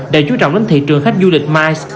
đã chú trọng đến thị trường khách du lịch mice